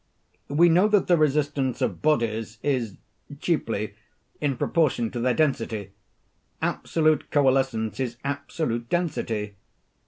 We know that the resistance of bodies is, chiefly, in proportion to their density. Absolute coalescence is absolute density.